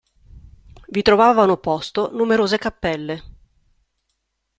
Vi trovavano posto numerose cappelle.